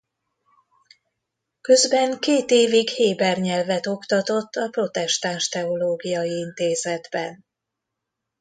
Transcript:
Közben két évig héber nyelvet oktatott a Protestáns Teológiai Intézetben.